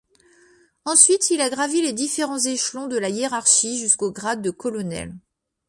Ensuite, il a gravi les différents échelons de la hiérarchie jusqu'au grade de colonel.